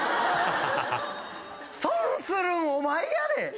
損するんお前やで。